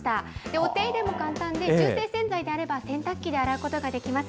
お手入れも簡単で、中性洗剤であれば、洗濯機で洗うことができます。